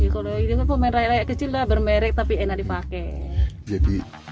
kalau ini kan pemain rakyat kecil lah bermerek tapi enak dipakai